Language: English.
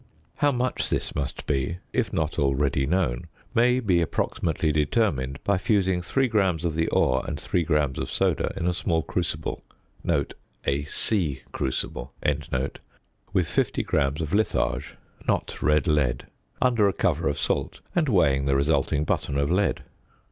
How much this must be (if not already known) may be approximately determined by fusing 3 grams of the ore and 3 grams of "soda" in a small crucible (C) with 50 grams of litharge (not red lead) under a cover of salt, and weighing the resulting button of lead.